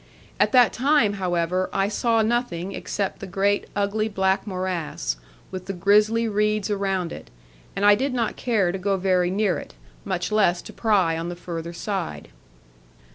At that time, however, I saw nothing except the great ugly black morass, with the grisly reeds around it; and I did not care to go very near it, much less to pry on the further side.